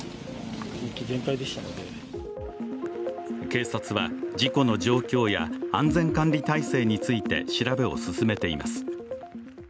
警察は事故の状況や安全管理体制について調べを進めています。